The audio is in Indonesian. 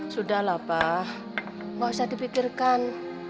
sudahlah pak gak usah dipikirkan